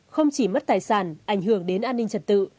không chỉ mất tài sản ảnh hưởng đến an ninh trật tự